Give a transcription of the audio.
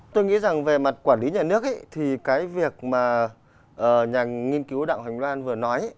tôi nghĩ rằng về mặt quản lý nhà nước thì cái việc mà nhà nghiên cứu đạo hành loan vừa nói